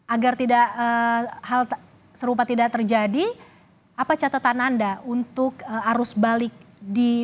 agar tidak hal serupa tidak terjadi apa catatan anda untuk arus balik di